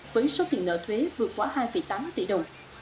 với số tiền nợ thuế vượt quá hai tám tỷ đồng